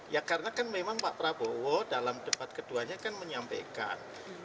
ya karena kan memang pak prabowo dalam debat keduanya kan menyampaikan